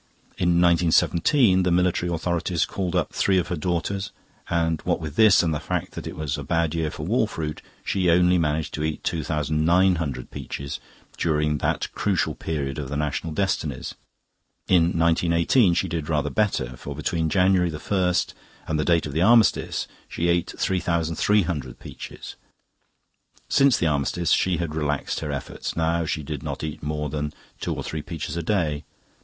In 1917 the military authorities called up three of her gardeners, and what with this and the fact that it was a bad year for wall fruit, she only managed to eat 2900 peaches during that crucial period of the national destinies. In 1918 she did rather better, for between January 1st and the date of the Armistice she ate 3300 peaches. Since the Armistice she had relaxed her efforts; now she did not eat more than two or three peaches a day.